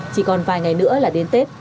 chỉ còn vài ngày nữa là đến tết